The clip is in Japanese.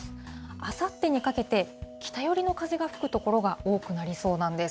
あさってにかけて、北寄りの風が吹く所が多くなりそうなんです。